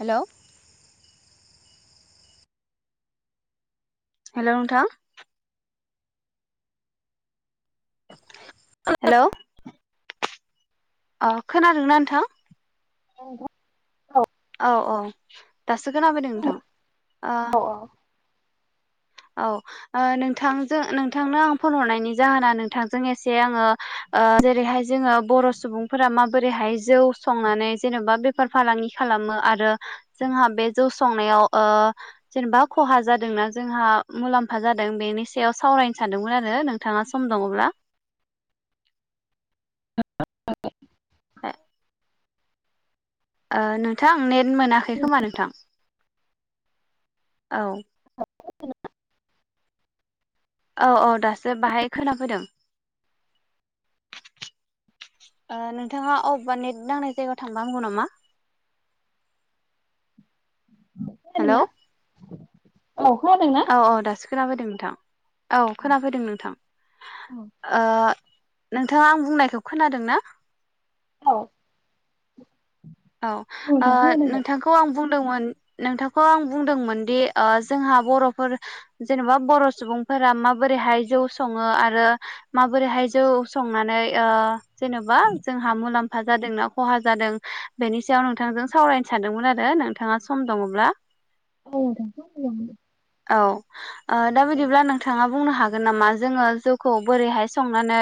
हेल' हेल' नोंथां हेल' अ खोनादोंना नोंथां? [unintelligible] औ औ दासो खोनाफैदों नोंथां औ औ नोंथांनो आं फन हरनायनि जाहोना नोंथांजों एसे आङो जेरैहाय जोङो बर' सुबुंफोरा माबोरैहाय जौ संनानै जेन'बा बेफार फालांगि खालामो आरो जोंहा बे जौ संनायाव ओ जेनेबा खहा जादोंना जोंहा मुलाम्फा जादों बेनि सायाव सावरायनो सानदोंमोन आरो नोंथाङा सम दङब्ला [inaudible] बुथिगिरिनि जेबो खोनानो मोननाय जायाखै [inaudible] ह नोंथां नेट मोनाखै खोमा नोंथां? औ औ औ दासो बाहाय खोनाबोदों। नोंथाङा अबेबा नेट नांनाय जायगायाव थांबा हामगौ नामा। [inaudible] बुंथिगिरिनि जेबो खोनानो मोननाय जायाखै खोनादोंना हेलौ औ खोनादोंना? औ औ दासो खोनाफैदों नोंथां औ खोनाफैदों नोंथां। नोंथाङा आं बुंनायखौ खोनादों ना? औ औ दे। नोंथांखौ आं बुं दोंमोन नोंथांखौ आं बुंदोंमोन दि जोंहा बर'फोर जेन'बा बर' सुबुं फोर माबोरैहाय जौ सङो आरो माबोरैहाय जौ संनानै जेनेबा जोंहा मुलाम्फा जादोंना खहा जादों। बेनि सायाव नोंथांजों सावरायनो सानदोंमोन आरो नोंथाङा सम दङब्ला। औ [unintelligible] औ दा औ बिदिब्ला नोंथाङा बुंनो हागोन नामा जोङो जौखौ बोरैहाय संनानै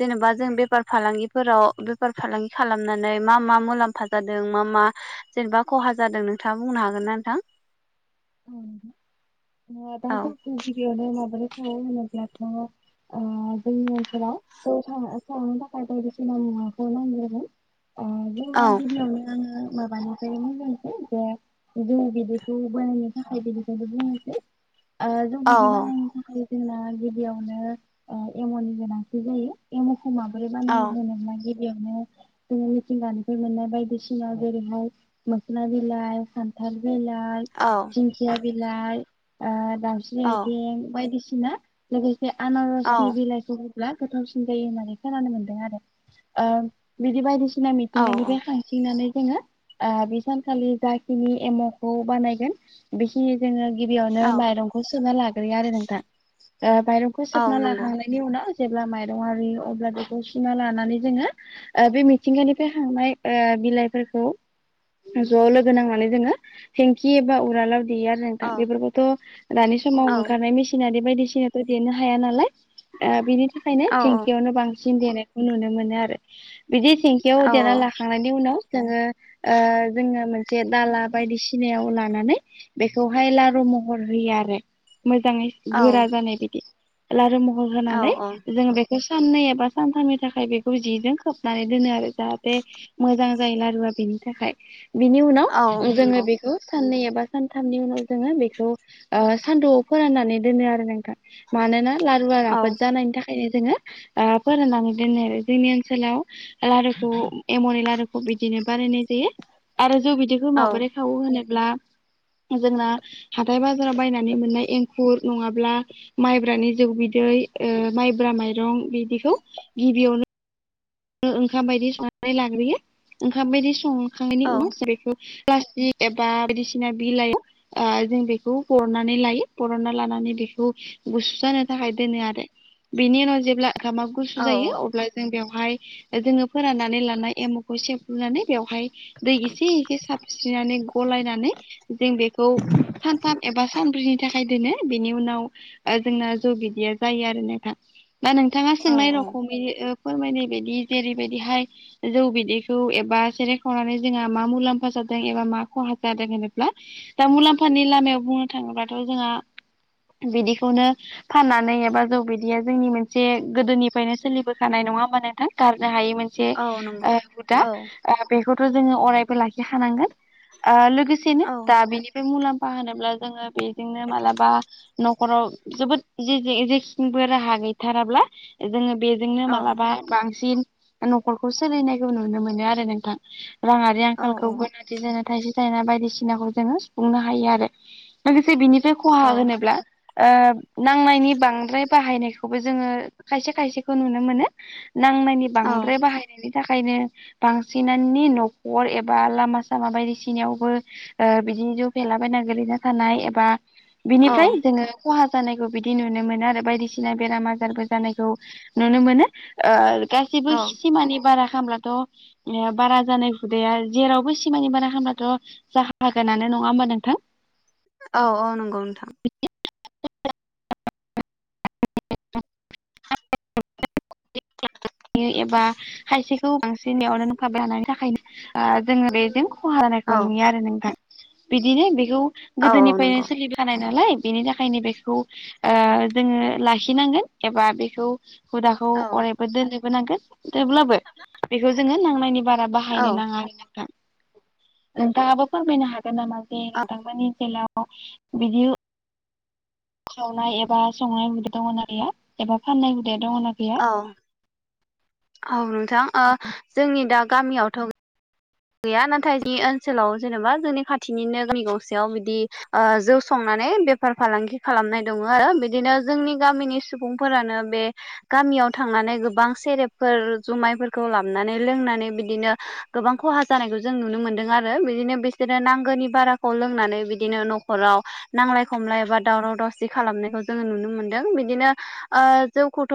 जेनेबा जों बेफार फालांगिफोराव बेफार फालांगि खालामनानै मा मा मुलामफा जादों मा मा जेनेबा खहा जादों नोंथाङा बुंनो हागोन ना नोंथां? ओं दा औ जों गिबियावनो माबोरै सङो होनोब्ला जोङो जोंनि ओनसोलाव जौ संनो थाखाय बायदिसिना मुवाखौ नांग्रोगोन। अ औ जोंना गिबियावनो माबानिफ्राय‌ [unintelligible] जौ बिदैखौ बानायनो [unintelligible] जौ औ बिदै बानायनो थाखाय जोंना गिबियावनो एमावनि गोनांथि जायो। ए मावखौ माबोरै औ बानायनाय जायो बेयावनो जोङो मिथिंगानिफ्राय मोननाय बायदिसिना जेरैहाय मोखोना बिलाइ खान्थाल बिलाइ, दिंखिया बिलाइ, दावउस्रि औ आइथिं बायदिसिना निसिना लोगोसे लोगोसे आनारसनि बिलाइ गोथावसिन जायो होननानै खोनानो मोनदों आरो बिदि बायदिसिना सिना औ औ मिथिंगानायनिफ्राय खाथिंनानै जोङो बे सानखालि जाखिनि एमाव'खौ बानायगोन बेखिनि जोङो गिबियावनो औ माइरंखौ सोबना लाग्रोयो आरो नोंथां माइरंखौ औ सोबना नंगौ लाखांनायनि उनाव जेब्ला माइरं आ रुयो अब्ला बेखौ सुना लानानै जोङो बे मिथिंगानिफ्राय खांनाय बिलाइफोरखौ ज' लोगो नांनानै जोङो हेंखि एबा नोंथ औ बेफोरखौथ दानि समाव औ औ ओंखारनाय मेसिन आरि बायदिसिनाथ' देनो हाया नालाय बिनि थाखायनो औ थेंखियावनो बांसिन सिन देनायखौ नुनो मोनो आरो। बिदि थेंखियाव औ देना लाखांनायनि उनाव जोङो जोङो मोनसे से दाला बायदिसिनायाव लानानै बेखौहाय लारु महर होयो आरो। मोजाङै औ गोरा जानाय बिदि लारु महर होनानै जोङो बेखौ साननै एबा सानथामनि थाखाय बेखौ जिजों खोबनानै दोनो आरो जाहाथे मोजां जायो लारुआ बेनो थाखाय बिनि उनाव औ जोङो नंगौ बेखौ साननै एबा सानथामनि उनाव जोङो बेखौ ओ सानदुंआव फोराननानै दोनो आरो नोंथां। मानोना लारुआ औ राफोद जानायनि थाखाय जोङो ओ फोराननानै दोनो आरो जोंनि ओनसोलाव लारुखौ एमावनि लारुखौ बिदिनो बानायनाय जायो आरो जौ बिदैखौ औ माबोरै खावो होनोब्ला। जोंना हाथाय बाजाराव बायनानै मोननाय एंखुर नङाब्ला माइब्रानि जौ बिदै दै ओ मायब्रा मायरं बिदिखौ गिबियावनो ओंखाम बायदि संनानै लाग्रोयो ओंखाम बायदि संखांनायनि उनाव जों बेखौ प्लास्टिक एबा बायदिसिना बिलाइआव ओ जों बेखौ बरनानै लायो बरनना लानानै बे खौ गुसु जानो थाखाय दोनो आरो बिनि उनाव जेब्ला ओंखामा गुसु औ जायो अब्ला जों बेवहाय जोङो फोराननानै लानाय एमुखौ सेफ्रुनानै बेवहाय दै एसे एसे साबस्रिनानै गलायनानै जों बेखौ सानथाम एबा सानब्रैनि थाखाय दोनो बेनि उनाव ओ जोंना जौ बिदैया जायो आरो नोंथां दा नोंथाङा औ सोंनाय रखमै ओ फोरमायनाय बायदि बि जेरैबायदिहाय जौ बिदैखौ एबा सेरेब खावनानै जोंहा मा मुलाम्फा जादों एबा मा खहा जादों होनोब्ला दा मुलाम्फानि लामायाव बुंनो थाङोब्लाथ जोंहा बिदिखौनो फाननानै एबा जौ बिदिया जोंनि मोनसे गोदोनिफ्रायनो सोलिबोखानाय नङा होनबा नोथां गारनो हायि मोनसे औ नंगौ ओ हुदा औ ओ बेखौथ जोंङो अरायबो लाखिखानांगोन ओ लोगोसेनो औ दा बिनि बे मुलाम्फा फा होनोब्ला जोंङो बेजोंनो मालाबा नखराव जोबोद जोबोद जे जे जेखिबो राहा गैथाराब्ला जोंङो बेजोंनो औ मालाबा बांसिन नखरखौ सोलिनायखौ नुनो मोनो आरो नोंथां रांङारि औ आंखालखौ गोनांथि जाना थाइसे थाइना बायदिसिनाखौ जोंङो सुफुंनो हायो आरो लोगो से बिनिफ्राय खहा औ होनोब्ला ओ नांनायनि बांद्राय बाहायनायखौबो जोंङो खायसे खायसेखौ नुनो मोनो नांनायनि औ बांद्राय बाहायनायनि थाखायनो बांसिनानि नखर एबा लामा सामा बायदिसिनायावबो ओ बि जौ फेला गोलैना थानाय एबा बिनिफ्राय औ जोंङो खहा जानायखौ बिदि नुनो मोनो आरो बायदिसिना बेराम आजारबो जानायखौ नुनो मोनो ओ गासैबो औ सिमानि बारा खामब्लाथ ओ बारा जानाय हुदाया जेरावबो सिमानि बारा खामब्लाथ जाखागोनानो नंङा होमबा नोंथां औ औ नंगौ नोंथां [unintelligible] [inaudible] एबा खायसेखौ बांसिन थाखायनो ओ जोंङो बेजों खहा जानायखौ औ नुयो आरो नोंथां बिदिनो बेखौ औ औ गोदोनिफ्रायनो नंगौ सोलि जानाय नालाय बेनि थाखायनो बेखौ ओ जोंङो लाखिनांगोन एबा बेखौ हुदाखौ औ अरायबो दोननोबो नांगोन जेब्लाबो बेखौ जोंङो नांनायनि बार रा बाहायनो औ नांङा आरो नोंथां नोंथाङाबो फोरमायनो हागो गोन नामा जे औ नोंथांमोननि ओनसोलाव बिदि सावनाय एबा संनाय गैया एबा फाननाय हुदाया दंना गैया औ औ नोंथां ओ जोंनि दा गामियावथ गैया नाथाय जोंनि ओनसोलाव जेनेबा जोंनि खाथिनिनो गामि गंसेयाव बिदि जौ संनानै बेफार फालांगि खालामनाय दङ आरो बिदिनो जोंनि गामिनि सुबुंफोरानो बे गामि आव थांनानै गोबां सेरेबफोर जुमायफोरखौ लाबनानै लोंनानै बिदिनो गोबां खहा जानायखौ जों नुनो मोनदों आरो बिदिनो बिसोरो नांगोनि बाराखौ लोंनानै बिदिनो नखराव नां लाय खमलाय एबा दाव दावसि खालामनायखौ जोंङो नुनो मोनदों बिदिनो ओ जौखौथ